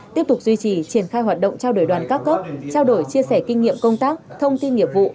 tiếp tục duy trì triển khai hoạt động trao đổi đoàn các cấp trao đổi chia sẻ kinh nghiệm công tác thông tin nghiệp vụ